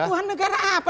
keutuhan negara apa